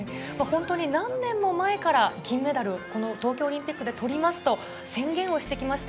何年も前から金メダル、東京オリンピックで取りますと宣言してきました。